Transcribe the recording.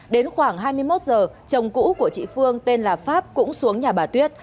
đến khoảng hai mươi một giờ chồng cũ của chị phương tên là pháp cũng xuống nhà bà tuyết